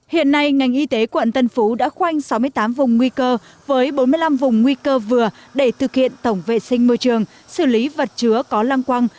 hiện nay ngành y tế quận tân phú đã khoanh sáu mươi tám vùng nguy cơ với bốn mươi năm vùng nguy cơ vừa để thực hiện tổng vệ sinh môi trường xử lý vật chứa có lăng quăng